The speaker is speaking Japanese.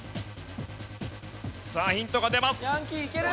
さあヒントが出ます。